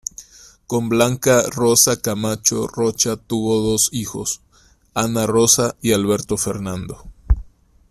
Con Blanca Rosa Camacho Rocha tuvo dos hijos: Ana Rosa y Alberto Fernando.